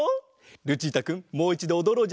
ルチータくんもういちどおどろうじゃないか。